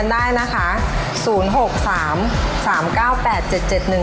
อย่าลืมนะครับแวะมากันได้นะครับอบในโอ่ง